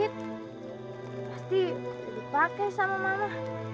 pasti dipake sama mama